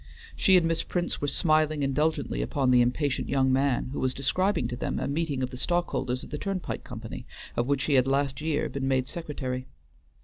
She and Miss Prince were smiling indulgently upon the impatient young man, who was describing to them a meeting of the stockholders of the Turnpike Company, of which he had last year been made secretary.